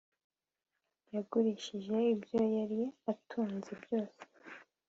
yagurishije ibyo yari atunze byose